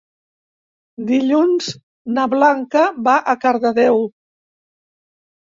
Dilluns na Blanca va a Cardedeu.